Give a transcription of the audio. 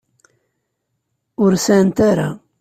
Ur sεant ara.